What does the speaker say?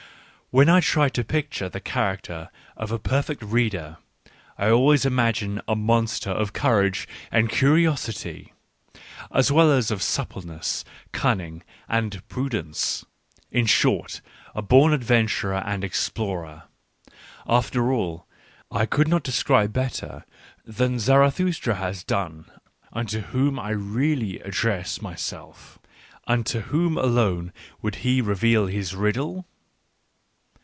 When I try to picture the character of a per fect reader, I always imagine a monster of courage and curiosity, as well as of suppleness, cunning, and prudence — in short, a born adventurer and explorer. After all, I could not describe better than Zara thustra has done unto whom I really address my self: unto whom alone would he reveal his riddle